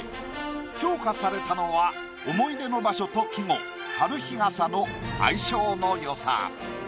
評価されたのは思い出の場所と季語「春日傘」の相性のよさ。